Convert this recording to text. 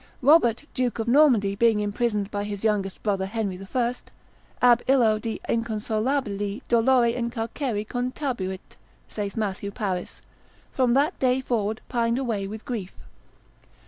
Robert Duke of Normandy being imprisoned by his youngest brother Henry I., ab illo die inconsolabili dolore in carcere contabuit, saith Matthew Paris, from that day forward pined away with grief.